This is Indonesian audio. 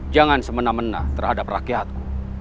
jangan semena mena terhadap rakyatku